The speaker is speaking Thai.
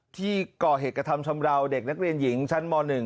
ที่ก่อเหตุกระทำชำราวเด็กนักเรียนหญิงชั้นม๑